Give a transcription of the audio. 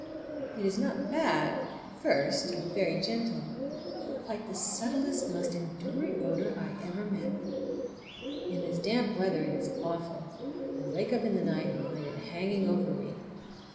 It is not bad—at first, and very gentle, but quite the subtlest, most enduring odor I ever met. In this damp weather it is awful. I wake up in the night and find it hanging over me.